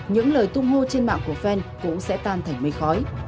những lời tung hô trên mạng của fan cũng sẽ tan thành mây khói